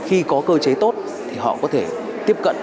khi có cơ chế tốt thì họ có thể tiếp cận